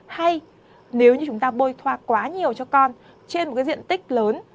hay nếu như chúng ta bôi thoa quá nhiều cho con trên một cái diện tích lớn